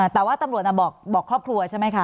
แต่ว่าตำรวจบอกครอบครัวใช่ไหมคะ